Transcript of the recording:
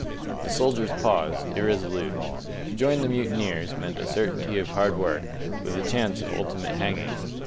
The soldiers paused, irresolute. To join the mutineers meant a certainty of hard work, with a chance of ultimate hanging.